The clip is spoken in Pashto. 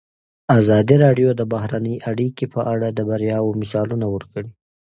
ازادي راډیو د بهرنۍ اړیکې په اړه د بریاوو مثالونه ورکړي.